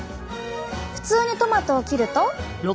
普通にトマトを切ると。